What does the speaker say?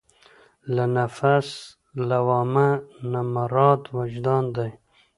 له نفس لوامه نه مراد وجدان دی.